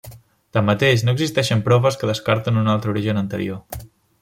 Tanmateix, no existeixen proves que descarten un altre origen anterior.